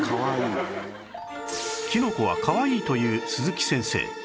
キノコはかわいいという鈴木先生